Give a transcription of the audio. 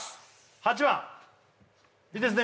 ８番いいですね？